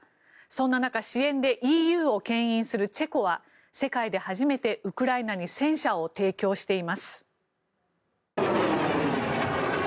そんな中、支援でＥＵをけん引するチェコは世界で初めてウクライナに戦車を提供しています。